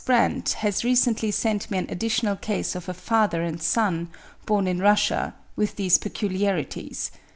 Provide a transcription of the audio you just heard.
Brandt has recently sent me an additional case of a father and son, born in Russia, with these peculiarities.